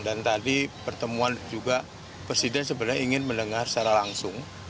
dan tadi pertemuan juga presiden sebenarnya ingin mendengar secara langsung